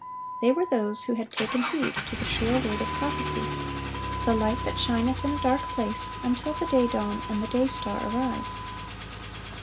They were those who had taken heed to the "sure word of prophecy," the "light that shineth in a dark place, until the day dawn, and the day star arise."